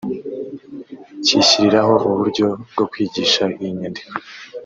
kishyiriraho uburyo bwo kwigisha iyi nyandiko